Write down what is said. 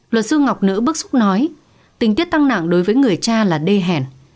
luật sư ngọc nữ bức xúc nói tình tiết tăng nặng đối với người cha là đê hèn